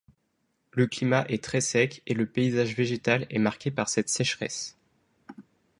Le climat est très sec et le paysage végétal est marqué par cette sécheresse.